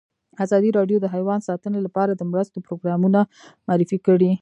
ازادي راډیو د حیوان ساتنه لپاره د مرستو پروګرامونه معرفي کړي.